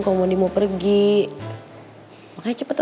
habis kerjain ngapain